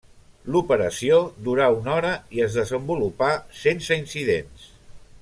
L'operació durà una hora i es desenvolupà sense incidents.